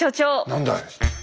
何だい。